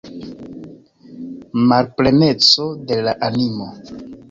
Malpleneco de la animo.